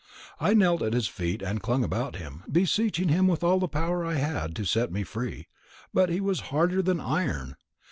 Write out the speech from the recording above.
I knelt at his feet and clung about him, beseeching him with all the power I had to set me free; but he was harder than iron.